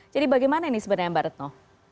jadi bagaimana ini sebenarnya mbak retno